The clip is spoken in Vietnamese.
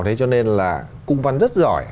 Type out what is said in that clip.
thế cho nên là cung văn rất giỏi